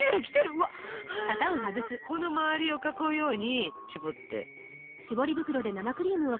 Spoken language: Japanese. うわこの周りを囲うようにしぼって。